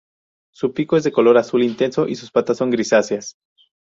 Su pico es de color azul intenso, y sus patas son grisáceas.